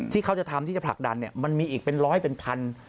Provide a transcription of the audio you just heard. ที่เขาจะทำที่จะผลักดันมันมีอีกเป็นร้อยเป็นพัน